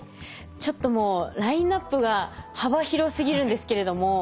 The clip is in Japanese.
ちょっともうラインナップが幅広すぎるんですけれども。